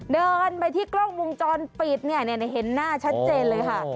เดินไปที่กล้องวงจรปิดเนี่ยเห็นหน้าชัดเจนเลยค่ะ